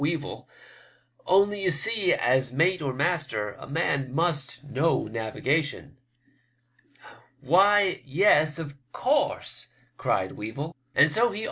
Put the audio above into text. Weevil ; only, you see, as mate or master a man must know navigation." " Why, yes, of course," cried Weevil, " and so he 180 WEEVIV8 LECTURE.